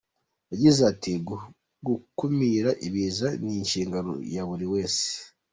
Yagize ati “Gukumira ibiza ni inshingano ya buri wese.